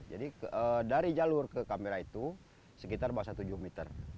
jadi dari jalur ke kamera itu sekitar bahasa tujuh meter